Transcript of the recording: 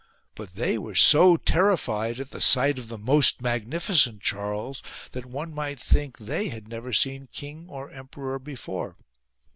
But they were so terrified at the sight of the most magnificent Charles that one might think they had never seen king or emperor before.